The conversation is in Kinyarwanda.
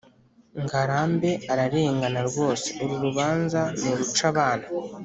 ngarambe ararengana rwose uru rubanza n’urucabana